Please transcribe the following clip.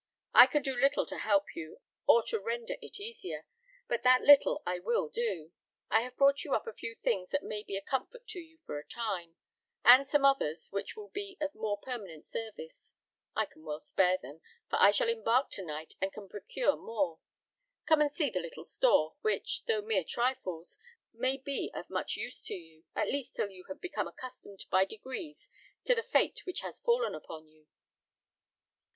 I can do little to help you or to render it easier, but that little I will do. I have brought you up a few things that may be a comfort to you for a time, and some others which will be of more permanent service. I can well spare them, for I shall embark to night, and can procure more. Come and see the little store, which, though mere trifles, may be of much use to you: at least till you have become accustomed by degrees to the fate which has fallen upon you."